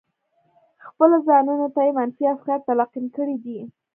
خپلو ځانونو ته يې منفي افکار تلقين کړي دي.